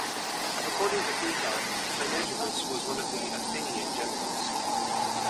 According to Plutarch, Cynegeirus was one of the Athenian Generals.